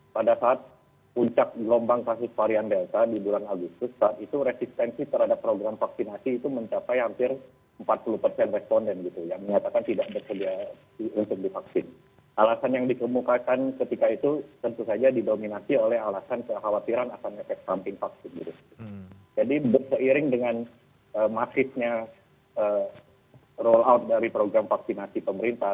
penjelasan utama terkait tingginya singkat resistensi atas vaksin booster ini